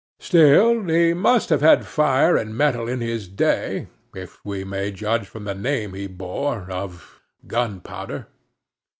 Still he must have had fire and mettle in his day, if we may judge from the name he bore of Gunpowder.